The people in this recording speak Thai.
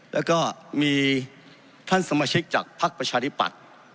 แล้วก็มีท่านสมาชิกจากภักดิ์ประชาธิปัตย์